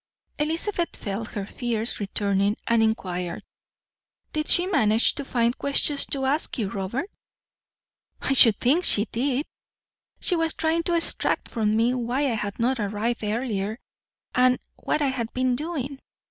Elizabeth felt her fears returning, and inquired: "Did she manage to find questions to ask you, Robert?" "I should think she did. She was trying to extract from me why I had not arrived earlier and what I had been doing.